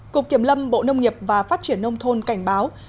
cục kiểm lâm bộ nông nghiệp và phát triển nông thôn cảnh báo